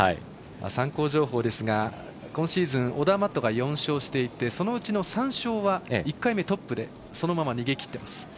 参考情報ですが今シーズン、オダーマットが４勝していてそのうちの３勝は１回目トップでそのまま逃げ切っています。